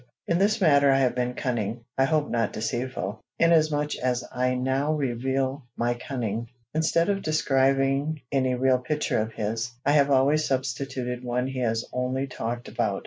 In this matter I have been cunning I hope not deceitful, inasmuch as I now reveal my cunning. Instead of describing any real picture of his, I have always substituted one he has only talked about.